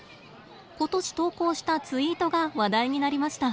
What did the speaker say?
ことし投稿したツイートが話題になりました。